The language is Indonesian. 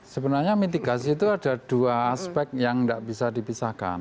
sebenarnya mitigasi itu ada dua aspek yang nggak bisa dipisahkan